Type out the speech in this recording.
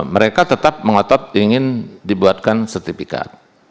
mereka tetap mengotot ingin dibuatkan sertifikat